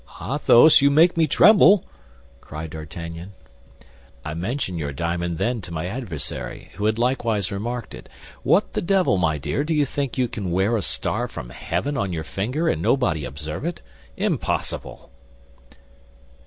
"Athos, you make me tremble!" cried D'Artagnan. "I mentioned your diamond then to my adversary, who had likewise remarked it. What the devil, my dear, do you think you can wear a star from heaven on your finger, and nobody observe it? Impossible!"